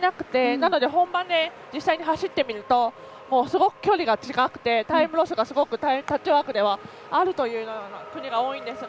なので本番で実際に走ってみるとすごく距離が近くてタイムロスがすごくタッチワークではあるという国が多いんですが。